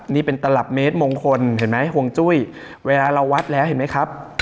นี่เป็นตลับเมตรมงคลเห็นไหมห่วงจุ้ยเวลาเราวัดแล้วเห็นไหมครับ